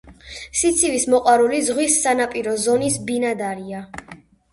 სიცივის მოყვარული, ზღვის სანაპირო ზონის ბინადარია.